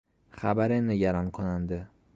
خبر نگران کننده